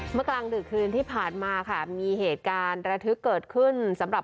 เมื่อกลางติดที่ผ่านมาค่ะมีเหตุการระทึกเกิดขึ้นสำหรับ